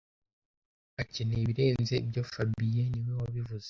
Juru akeneye ibirenze ibyo fabien niwe wabivuze